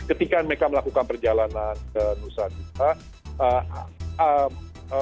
ketika mereka melakukan perjalanan ke nusa kita